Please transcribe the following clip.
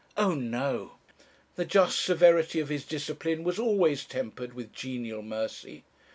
O no! The just severity of his discipline was always tempered with genial mercy.